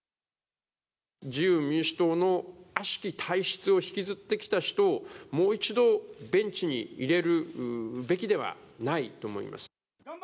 自由民主党のあしき体質を引きずってきた人をもう一度、ベンチに入れるべきではないと思います。